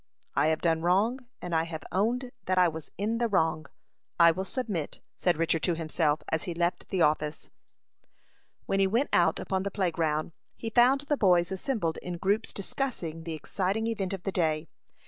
"I have done wrong, and I have owned that I was in the wrong. I will submit," said Richard to himself, as he left the office. When he went out upon the play ground, he found the boys assembled in groups discussing the exciting event of the day.